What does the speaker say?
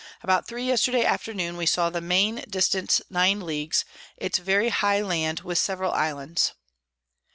18._ About three Yesterday afternoon, we saw the Main dist. 9 Ls. it's very high Land, with several Islands.